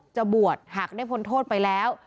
จะบวชหากได้พ้นโทษไปแล้ว